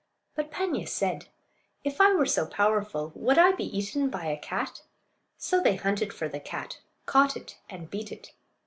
But Paanya said, "If I were so powerful would I be eaten by a cat?" So they hunted for the cat, caught it, and beat it.